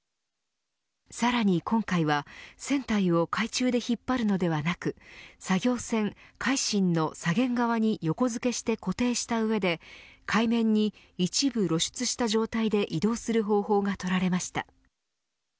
さらに今回は船体を海中で引っ張るのではなく作業船、海進の左舷側に横付けして固定した上で海面に一部露出した状態で移動する方法がとられました。